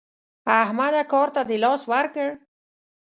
احمده کار ته دې لاس ورکړ؟